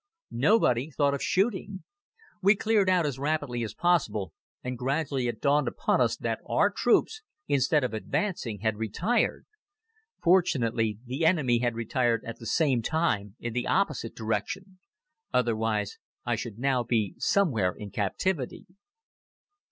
Nobody thought of shooting. We cleared out as rapidly as possible and gradually it dawned upon us that our troops, instead of advancing, had retired. Fortunately, the enemy had retired at the same time in the opposite direction. Otherwise I should now be somewhere in captivity.